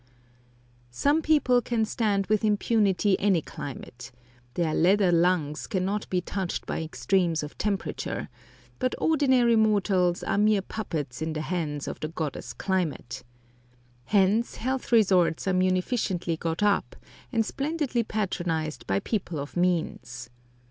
Some people can stand with impunity any climate; their "leather lungs" cannot be touched by extremes of temperature; but ordinary mortals are mere puppets in the hands of the goddess climate. Hence health resorts are munificently got up, and splendidly patronised by people of means.